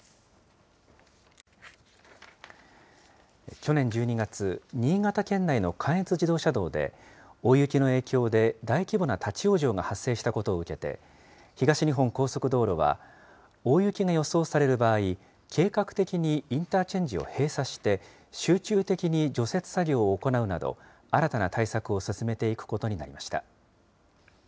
去年１２月、新潟県内の関越自動車道で、大雪の影響で、大規模な立往生が発生したことを受けて、東日本高速道路は、大雪が予想される場合、計画的にインターチェンジを閉鎖して、集中的に除雪作業を行うなど、新たな対策を進めていくことになりました。